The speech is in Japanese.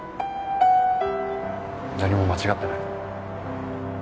何も間違ってない。